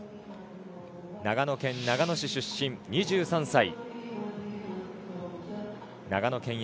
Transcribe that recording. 長野県長野市出身、２３歳。